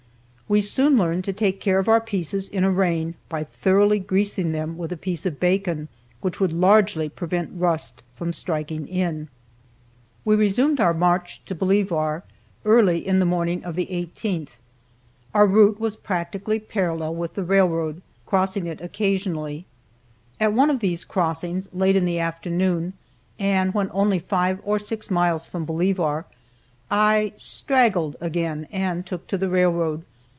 We soon learned to take care of our pieces in a rain by thoroughly greasing them with a piece of bacon, which would largely prevent rust from striking in. We resumed our march to Bolivar early in the morning of the 18th. Our route was practically parallel with the railroad, crossing it occasionally. At one of these crossings, late in the afternoon, and when only five or six miles from Bolivar, I "straggled" again, and took to the railroad.